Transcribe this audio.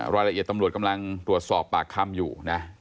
รายละเอียดตำรวจกำลังตรวจสอบปากคำอยู่นะ